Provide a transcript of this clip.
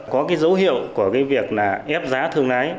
có dấu hiệu của việc ép giá thương lái